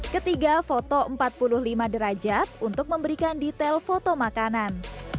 ketiga foto empat puluh lima derajat untuk memberikan detail foto makanan